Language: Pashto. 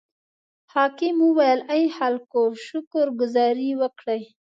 حاکم وویل: ای خلکو شکر ګذاري وکړئ.